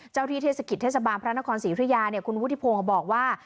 ที่เทศกิจเทศบาลพระนครศรีธุยาคุณวุฒิพงศ์บอกว่า